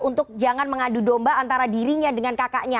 untuk jangan mengadu domba antara dirinya dengan kakaknya